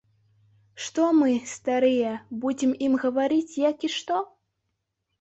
Што мы, старыя, будзем ім гаварыць, як і што.